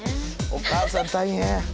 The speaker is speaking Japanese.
お母さん大変。